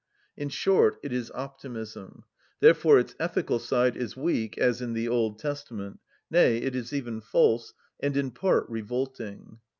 In short, it is optimism: therefore its ethical side is weak, as in the Old Testament; nay, it is even false, and in part revolting.